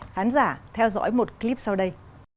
khán giả theo dõi một clip sau đây